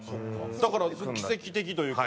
だから奇跡的というか。